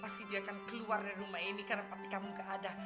pasti dia akan keluar dari rumah ini karena tapi kamu gak ada